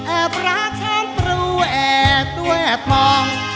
แอบรักทั้งตรูแอบตัวแอบมอง